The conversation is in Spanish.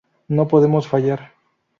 No podemos fallar!